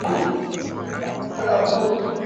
Kalamu yangu imeisha